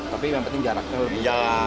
tapi yang penting jaraknya lebih jauh